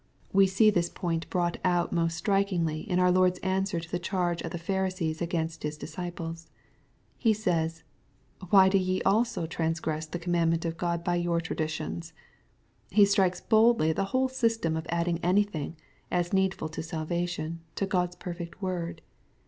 We see this point brought out most strikingly in our Lord's answer to the charge of the Pharisees against His disciples. He says, " Why do ye also transgress the commandment of God by your traditions ?" He strikes boldly at the whole system of adding anything, as needful to salvation, to God's perfect word.